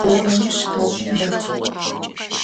Gogonır şşkafım det.